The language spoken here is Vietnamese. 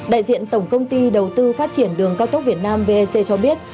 đại diện tổng công ty đầu tư phát triển đường cao tốc việt nam vec cho biết